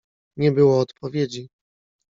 "Nie było odpowiedzi."